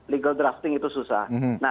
legal drafting itu susah